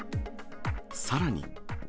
さらに。